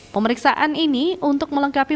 pemeriksaan ini untuk melengkapi